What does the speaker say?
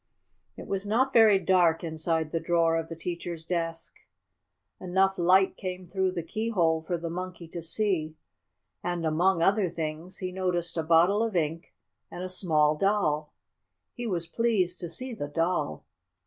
It was not very dark inside the drawer of the teacher's desk. Enough light came through the keyhole for the Monkey to see, and, among other things, he noticed a bottle of ink and a small Doll. He was pleased to see the Doll.